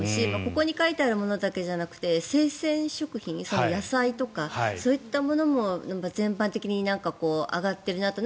ここに書いてあるものだけじゃなくて、生鮮食品野菜とかそういったものも全般的に上がっているなと。